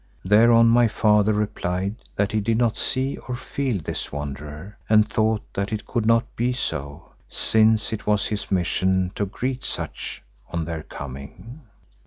Thereon my father replied that he did not see or feel this wanderer, and thought that it could not be so, since it was his mission to greet such on their coming.